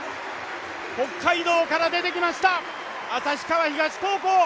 北海道から出てきました、旭川東高校。